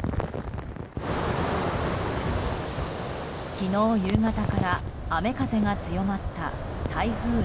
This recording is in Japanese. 昨日夕方から雨風が強まった台風７号。